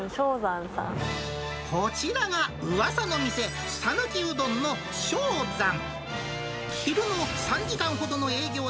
こちらがうわさの店、讃岐うどんの賞ざん。